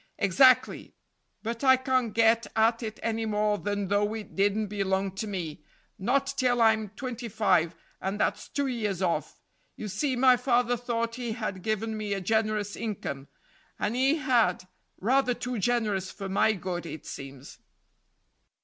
"Exactly; but I can't get at it any more than though it didn't belong to me not till I'm twenty five, and that's two years off. You see, my father thought he had given me a generous income, and he had rather too generous for my good, it seems."